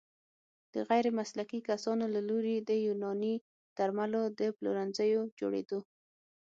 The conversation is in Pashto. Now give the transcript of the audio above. د غیرمسلکي کسانو له لوري د يوناني درملو د پلورنځيو جوړیدو